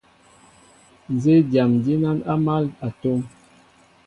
Nzí dyam dínán á mál a tóm,